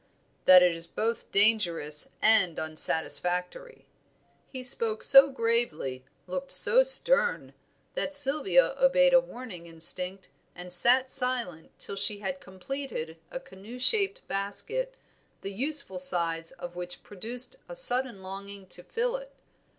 "That it is both dangerous and unsatisfactory." He spoke so gravely, looked so stern, that Sylvia obeyed a warning instinct and sat silent till she had completed a canoe shaped basket, the useful size of which produced a sudden longing to fill it.